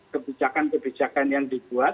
kebijakan kebijakan yang dibuat